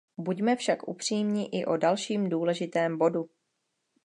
Buďme však upřímní i o dalším důležitém bodu.